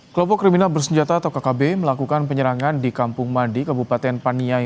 kelompok kriminal bersenjata atau kkb melakukan penyerangan di kampung mandi kabupaten paniai